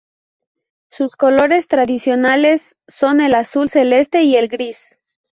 Sus colores tradicionales son el Azul Celeste Y el Gris.